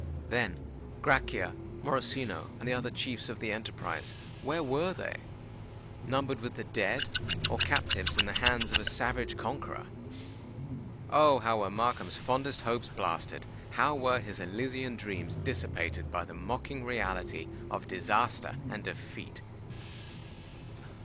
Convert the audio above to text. Then—Grachia, Morosino, and the other chiefs of the enterprise—where were they? Numbered with the dead—or captives in the hands of a savage conqueror! Oh! how were Markham's fondest hopes blasted! how were his elysian dreams dissipated by the mocking reality of disaster and defeat!